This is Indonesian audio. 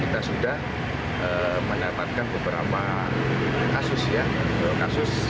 kita sudah mencatatkan beberapa kasus ya